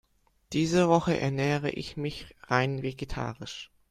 Diese Woche ernähre ich mich rein vegetarisch.